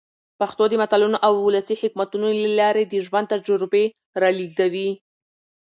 پښتو د متلونو او ولسي حکمتونو له لاري د ژوند تجربې را لېږدوي.